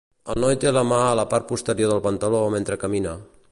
Un noi té la mà a la part posterior del pantaló mentre camina.